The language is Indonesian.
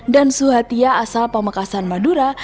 dan suhatia asal pemekasan madura